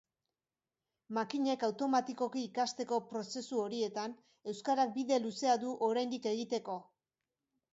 Makinek automatikoki ikasteko prozesu horietan euskarak bide luzea du oraindik egiteko.